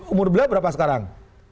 umur beliau berapa sekarang